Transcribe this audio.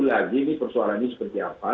lagi ini persoalan ini seperti apa